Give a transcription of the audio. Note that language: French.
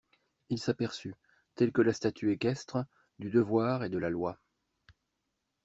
Il s'aperçut, tel que la statue équestre, du devoir et de la Loi!